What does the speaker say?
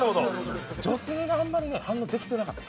女性があんまり反応できてなかった。